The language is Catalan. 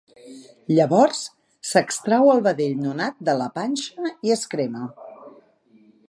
Llavors, s'extrau el vedell nonat de la panxa i es crema.